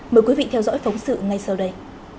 mời quý vị theo dõi phóng sự ngay sau đây